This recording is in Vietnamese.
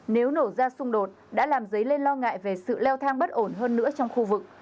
nếu nổ ra xung đột đã làm dấy lên lo ngại về sự leo thang bất ổn hơn nữa trong khu vực